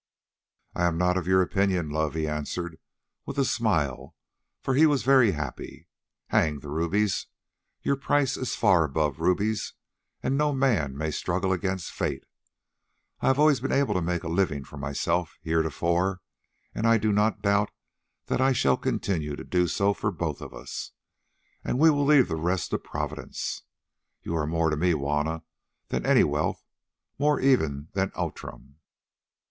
"I am not of your opinion, love," he answered with a smile for he was very happy. "Hang the rubies! Your price is far above rubies, and no man may struggle against fate. I have always been able to make a living for myself heretofore, and I do not doubt that I shall continue to do so for both of us, and we will leave the rest to Providence. You are more to me, Juanna, than any wealth—more even than Outram."